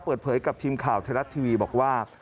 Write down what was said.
เปิดเผยกับทีมข่าวไทยรัฐทีวีบอกว่า